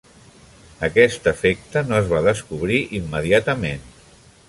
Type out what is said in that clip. Aquest efecte no es va descobrir immediatament.